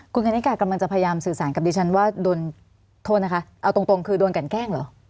คุณกณิกากำลังจะพยายามสื่อสารกับดิฉันว่าโดนโทษนะคะเอาตรงคือโดนกันแกล้งเหรอ